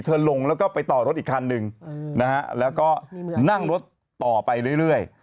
ลงแล้วก็ไปต่อรถอีกคันหนึ่งนะฮะแล้วก็นั่งรถต่อไปเรื่อย